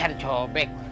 eh ada cobek